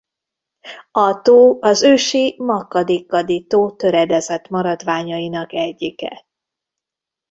A tó az ősi Makgadikgadi-tó töredezett maradványainak egyike.